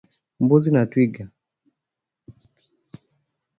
Mbuzi na twiga